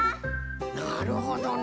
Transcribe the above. なるほどの。